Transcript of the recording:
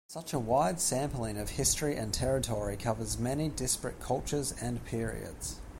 Such a wide sampling of history and territory covers many disparate cultures and periods.